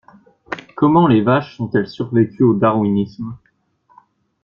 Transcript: Comment les vaches ont-elles survécu au Darwinisme?